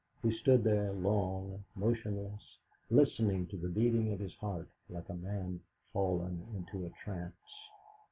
He stood there long, motionless, listening to the beating of his heart, like a man fallen into a trance.